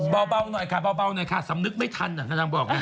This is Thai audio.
เบาหน่อยค่ะเบาหน่อยค่ะสำนึกไม่ทันนางบอกไง